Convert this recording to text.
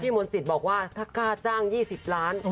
พี่มนติศบอกว่าถ้ากล้าจ้าง๒๐ล้าน